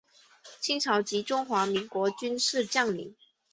清朝及中华民国军事将领。